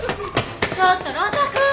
ちょっと呂太くん！